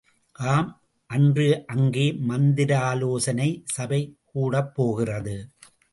ஆம், அன்று அங்கே மந்திராலோசனை சபை கூடப்போகிறது!